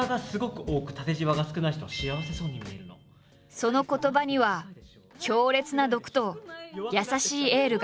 その言葉には強烈な毒と優しいエールが。